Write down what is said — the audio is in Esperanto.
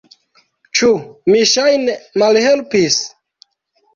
Ĉu mi, ŝajne, malhelpis?